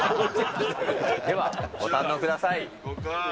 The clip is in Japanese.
では、ご堪能ください。